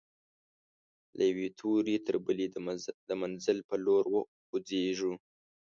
له یوې توري تر بلي د منزل پر لور خوځيږو